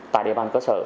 tại địa phương cơ sở